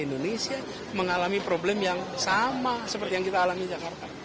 indonesia mengalami problem yang sama seperti yang kita alami jakarta